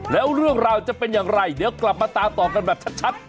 แล้วเรื่องราวจะเป็นอย่างไรเดี๋ยวกลับมาตามต่อกันแบบชัด